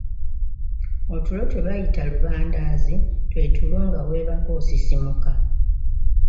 Otulo twebayita lubandaazi twe tulo nga weebaka osisimuka.